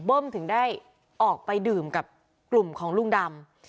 ถึงได้ออกไปดื่มกับกลุ่มของลุงดำ